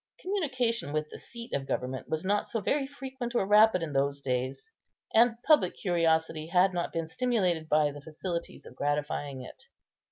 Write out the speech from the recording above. Communication with the seat of government was not so very frequent or rapid in those days, and public curiosity had not been stimulated by the facilities of gratifying it.